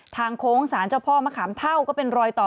โค้งสารเจ้าพ่อมะขามเท่าก็เป็นรอยต่อ